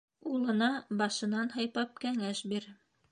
Улына башынан һыйпап кәңәш бир